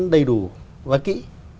đầy đủ và kỹ